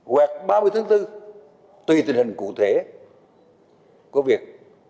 hoặc ba mươi tháng bốn tùy tình hình cụ thể của việc